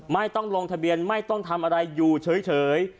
ไม่ต้องลงทะเบียนไม่ต้องทำอะไรอยู่เฉย